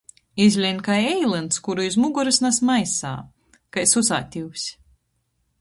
Izlein kai eilyns, kuru iz mugorys nas maisā. Kai susātivs.